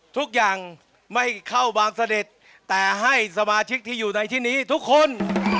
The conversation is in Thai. ทุกอย่างไม่เข้าบางเสด็จแต่ให้สมาชิกที่อยู่ในที่นี้ทุกคน